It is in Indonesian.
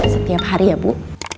setiap hari ya bu